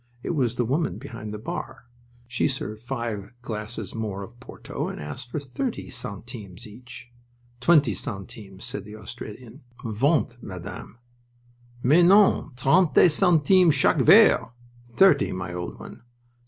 It was the woman behind the bar. She served five glasses more of porto and asked for thirty centimes each. "Twenty centimes," said the Australian. "Vingt, Madame." "Mais non! Trente centimes, chaque verre! Thirty, my old one.